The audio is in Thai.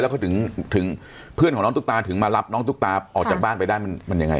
แล้วก็ถึงเพื่อนของน้องตุ๊กตาถึงมารับน้องตุ๊กตาออกจากบ้านไปได้มันยังไง